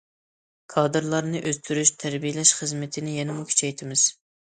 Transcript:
كادىرلارنى ئۆستۈرۈش، تەربىيەلەش خىزمىتىنى يەنىمۇ كۈچەيتىمىز.